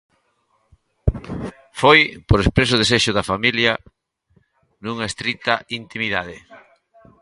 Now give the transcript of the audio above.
Foi, por expreso desexo da familia, nunha estrita intimidade.